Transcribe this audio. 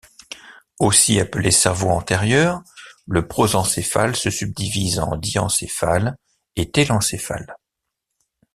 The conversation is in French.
Aussi appelé cerveau antérieur, le prosencéphale se subdivise en diencéphale et télencéphale.